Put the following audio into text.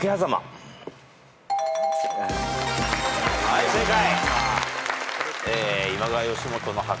はい正解。